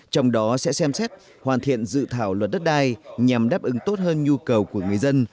trong đó sẽ xem xét hoàn thiện dự thảo luật đất đai nhằm đáp ứng tốt hơn nhu cầu của người dân